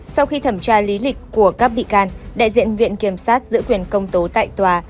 sau khi thẩm tra lý lịch của các bị can đại diện viện kiểm sát giữ quyền công tố tại tòa